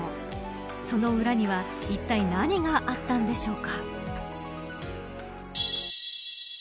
その裏にはいったい何があったんでしょうか。